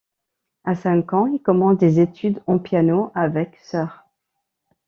À cinq ans, il commence, des études en piano avec Sr.